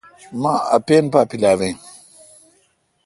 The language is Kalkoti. مہ اپین یا پیلاوین۔